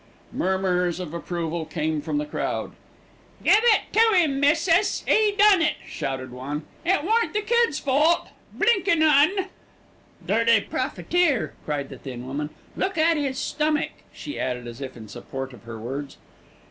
Murmurs of approval came from the crowd. "Give it to 'im, missis, 'e done it," shouted one. "It warn't the kid's fault, blinkin' 'Un." "Dirty profiteer," cried the thin woman. "Look at 'is stummick," she added as if in support of her words.